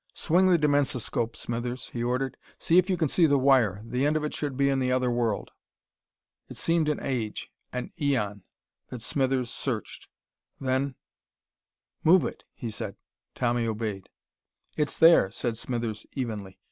"Swing the dimensoscope, Smithers," he ordered. "See if you can see the wire. The end of it should be in the other world." It seemed an age, an aeon, that Smithers searched. Then: "Move it," he said. Tommy obeyed. "It's there," said Smithers evenly.